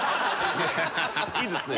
いいですね。